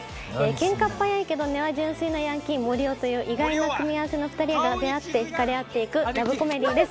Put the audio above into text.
ケンカっ早いけど根は純粋なヤンキー森生という意外な組み合わせの２人が出会って引かれ合って行くラブコメディーです